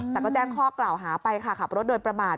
แต่ก็แจ้งข้อกล่าวหาไปค่ะขับรถโดยประมาท